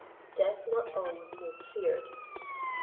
DEATH NOT ALWAYS MOST FEARED.